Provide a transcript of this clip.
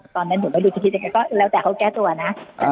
ตอนนั้นหนูไม่รู้จักทีแต่ก็แล้วแต่เขาแก้ตัวนะอ่า